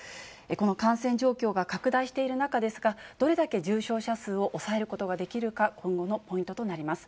この感染状況が拡大している中ですが、どれだけ重症者数を抑えることができるか、今後のポイントとなります。